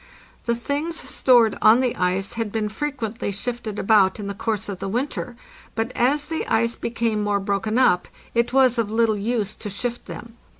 The things stored on the ice had been frequently shifted about in the course of the winter, but as the ice became more broken up, it was of little use to shift them.